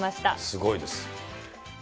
すごいです。